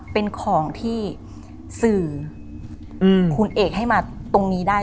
เป็นของที่สื่อคุณเอกให้มาตรงนี้ได้